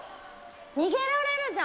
逃げられるじゃん。